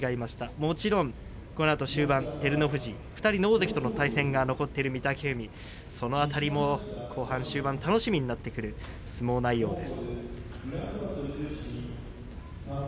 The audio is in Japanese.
もちろん終盤、照ノ富士２人の大関との対戦が残ってる御嶽海、その辺りも後半、終盤楽しみになってくる相撲内容です。